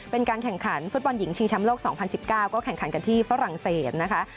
เป็นการแข่งขันฟุตบอลหญิงชิงแชมป์โลก๒๐๑๙ก็แข่งขันกันที่ฝรั่งเศสนะคะ